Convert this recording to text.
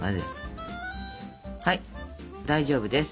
はい大丈夫です。